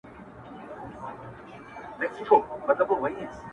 ټول مرغان دي په یوه خوله او سلا وي٫